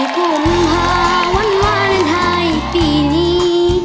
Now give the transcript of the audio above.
๑๔กรุงภาพวันวันท้ายอีกปีนี้